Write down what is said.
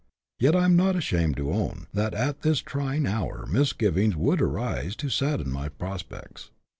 Yet I am not ashamed to own, that at this trying hour misgivings ivould arise to sadden my prospects.